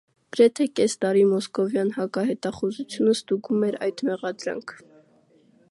Գրեթե կես տարի մոսկովյան հակահետախուզությունը ստուգում էր այդ մեղադրանքը։